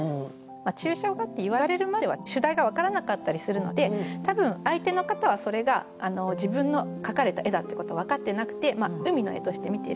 抽象画って言われるまでは主題が分からなかったりするので多分相手の方はそれが自分の描かれた絵だってこと分かってなくて海の絵として見てる。